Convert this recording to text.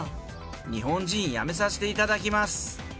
日本人やめさせていただきます。